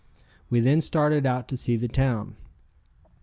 We then started out to see the town.